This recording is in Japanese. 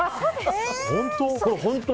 本当？